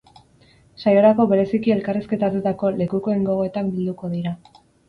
Saiorako bereziki elkarrizketatutako lekukoen gogoetak bilduko dira.